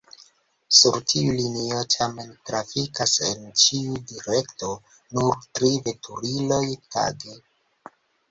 Sur tiu linio tamen trafikas en ĉiu direkto nur tri veturiloj tage.